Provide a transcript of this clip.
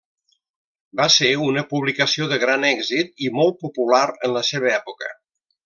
Va ser una publicació de gran èxit i molt popular en la seva època.